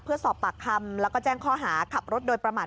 เพื่อสอบปากคำแล้วก็แจ้งข้อหาขับรถโดยประมาท